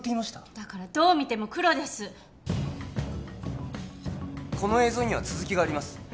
だからどう見ても黒ですッこの映像には続きがあります